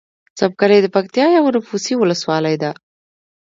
څمکنی دپکتیا یوه نفوسې ولسوالۍ ده.